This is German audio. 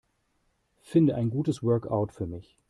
Finde ein gutes Workout für mich.